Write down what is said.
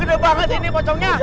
gede banget ini pocongnya